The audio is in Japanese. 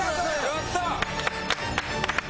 やったー！